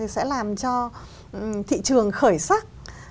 sẽ làm cho thị trường khởi sắc